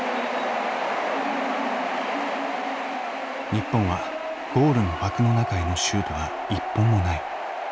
日本はゴールの枠の中へのシュートは１本もない。